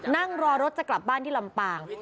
นั่งรอรถจะกลับบ้านที่ลำปาง